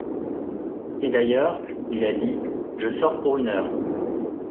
Et d’ailleurs, il a dit :« Je sors pour une heure.